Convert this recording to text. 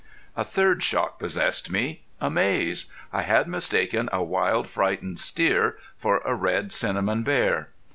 A third shock possessed me amaze. I had mistaken a wild, frightened steer for a red cinnamon bear!